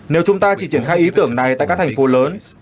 nếu chúng ta chỉ triển khai ý tưởng này tại các thành phố lớn